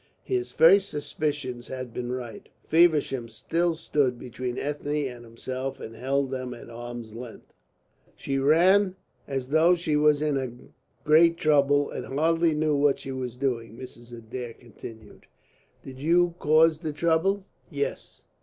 His first suspicions had been right. Feversham still stood between Ethne and himself and held them at arm's length. "She ran as though she was in great trouble and hardly knew what she was doing," Mrs. Adair continued. "Did you cause that trouble?" "Yes."